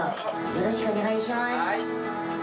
よろしくお願いします。